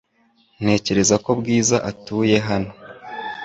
Ntekereza ko Bwiza atuye hano .